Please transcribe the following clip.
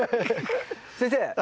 先生